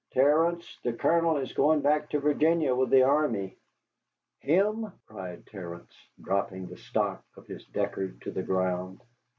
"Terence, the Colonel is going back to Virginia with the army." "Him!" cried Terence, dropping the stock of his Deckard to the ground.